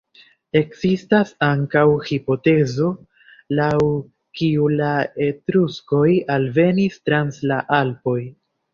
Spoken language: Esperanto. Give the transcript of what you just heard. Ekzistas ankaŭ hipotezo, laŭ kiu la etruskoj alvenis trans la Alpoj.